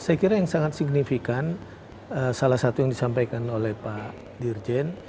saya kira yang sangat signifikan salah satu yang disampaikan oleh pak dirjen